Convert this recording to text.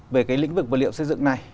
về cái lĩnh vực vật liệu xây dựng này